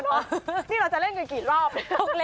นี่เราจะเล่นกันกี่รอบ